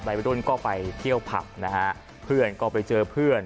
วัยรุ่นก็ไปเที่ยวผับนะฮะเพื่อนก็ไปเจอเพื่อน